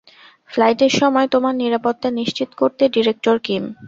ফ্লাইটের সময় তোমার নিরাপত্তা নিশ্চিত করবে ডিরেক্টর কিম।